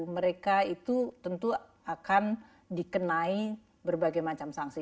mereka itu tentu akan dikenai berbagai macam sanksi